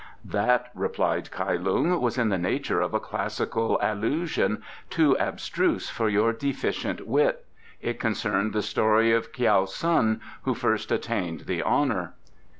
"That," replied Kai Lung, "was in the nature of a classical allusion, too abstruse for your deficient wit. It concerned the story of Kiau Sun, who first attained the honour."